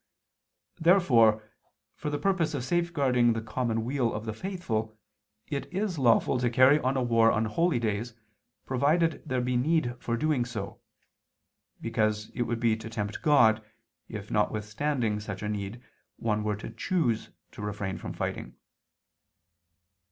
Therefore, for the purpose of safeguarding the common weal of the faithful, it is lawful to carry on a war on holy days, provided there be need for doing so: because it would be to tempt God, if notwithstanding such a need, one were to choose to refrain from fighting.